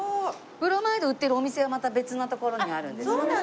プロマイド売ってるお店はまた別のところにあるんです。